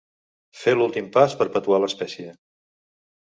Fer l'últim pas per perpetuar l'espècie.